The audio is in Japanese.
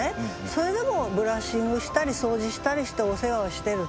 それでもブラッシングしたり掃除したりしてお世話をしてる。